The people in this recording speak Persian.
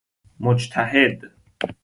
مجتهد